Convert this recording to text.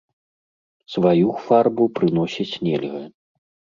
Сваю фарбу прыносіць нельга.